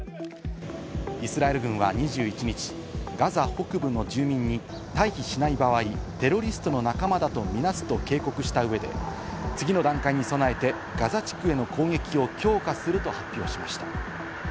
イスラエル軍は２１日、ガザ北部の住民に退避しない場合、テロリストの仲間だとみなすと警告した上で、次の段階に備えて、ガザ地区への攻撃を強化すると発表しました。